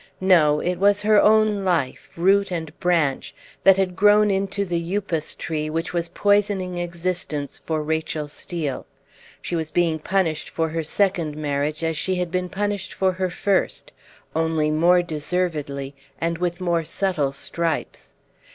No; it was her own life, root and branch, that had grown into the upas tree which was poisoning existence for Rachel Steel. She was being punished for her second marriage as she had been punished for her first, only more deservedly, and with more subtle stripes.